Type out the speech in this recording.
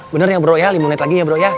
bener ya bro ya lima menit lagi ya bro ya